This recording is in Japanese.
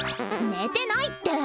寝てないって！